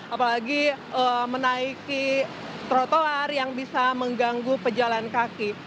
apalagi menaiki trotoar yang bisa mengganggu pejalan kaki